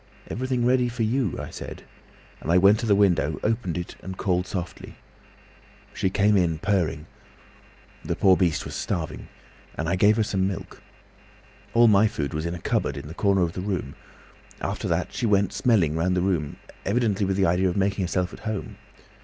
'Everything ready for you,' I said, and went to the window, opened it, and called softly. She came in, purring—the poor beast was starving—and I gave her some milk. All my food was in a cupboard in the corner of the room. After that she went smelling round the room, evidently with the idea of making herself at home.